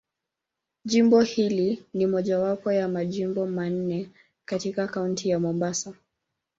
Jimbo hili ni mojawapo ya Majimbo manne katika Kaunti ya Mombasa.